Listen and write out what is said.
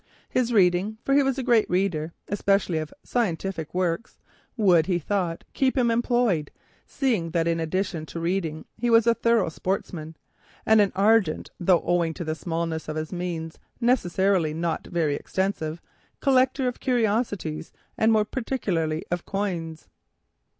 His reading, for he was a great reader, especially of scientific works, would, he thought, keep him employed. Moreover, he was a thorough sportsman, and an ardent, though owing to the smallness of his means, necessarily not a very extensive, collector of curiosities, and more particularly of coins.